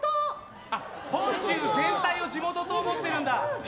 あ、本州全体を地元と思ってるんだ！